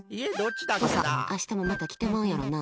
明日もまた来てまうやろうな。